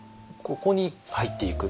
ここに入っていく。